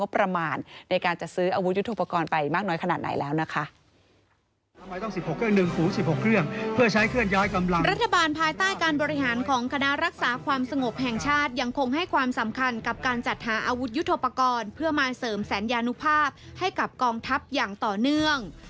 เพราะความสงบแห่งชาติยังคงให้ความสำคัญกับการจัดหาอาวุธยุทธปกรณ์เพื่อมาเสริมแสนยานุภาพให้กับกองทัพอย่างต่อเนื่อง